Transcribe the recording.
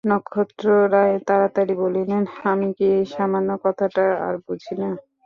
নক্ষত্ররায় তাড়াতাড়ি বলিলেন, আমি কি এই সামান্য কথাটা আর বুঝি না!